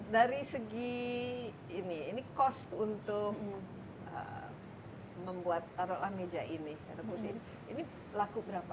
dari segi ini ini cost untuk membuat taruhlah meja ini atau kursi ini ini laku berapa